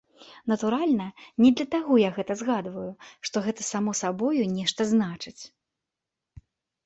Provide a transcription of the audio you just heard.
Натуральна, не для таго я гэта згадваю, што гэта само сабою нешта значыць.